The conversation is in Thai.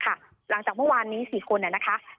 หลังจากเมื่อวานนี้๔คนนะคะ